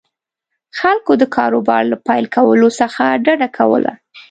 خلکو د کاروبار له پیل کولو څخه ډډه کوله.